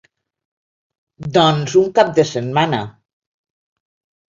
Doncs un cap de setmana.